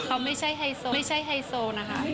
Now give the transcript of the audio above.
เขาไม่ใช่ไฮโซไม่ใช่ไฮโซนะคะ